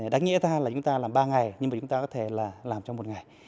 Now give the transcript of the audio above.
đáng nghĩa là chúng ta làm ba ngày nhưng chúng ta có thể làm trong một ngày